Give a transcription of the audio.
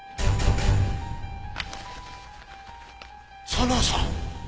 佐奈さん！